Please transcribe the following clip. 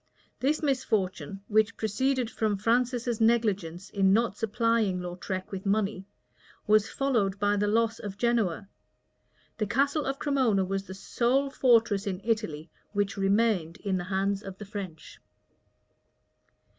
This misfortune, which proceeded from Francis's negligence in not supplying Lautrec with money,[*] was followed by the loss of Genoa. The castle of Cremona was the sole fortress in Italy which remained in the hands of the French.